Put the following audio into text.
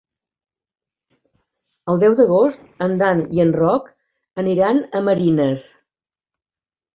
El deu d'agost en Dan i en Roc aniran a Marines.